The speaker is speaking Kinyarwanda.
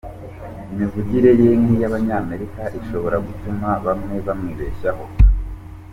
Imivugire ye nk’iy’Abanyamerika ishobora gutuma bamwe bamwibeshyaho.